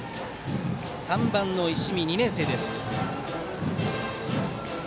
３番の石見は２年生です。